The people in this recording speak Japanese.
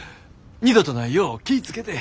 二度とないよう気ぃ付けて。